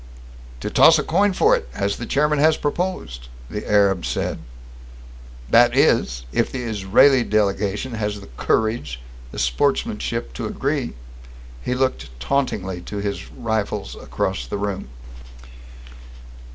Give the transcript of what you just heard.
"To toss a coin for it, as the chairman has proposed," the Arab said. "That is, it the Israeli delegation has the courage, the sportsmanship to agree." He looked tauntingly to his rivals across the room.